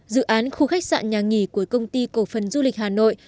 dự án khu khách sạn nhà nghỉ của công ty cổ phần du lịch hà nội